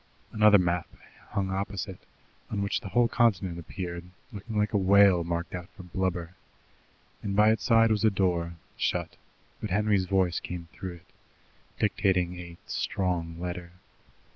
Another map hung opposite, on which the whole continent appeared, looking like a whale marked out for blubber, and by its side was a door, shut, but Henry's voice came through it, dictating a "strong" letter.